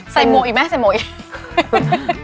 ใส่หมูอีกมั้ยใส่หมูอีก